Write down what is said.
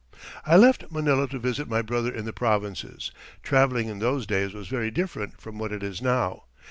"I left Manila to visit my brother in the provinces. Traveling in those days was very different from what it is now.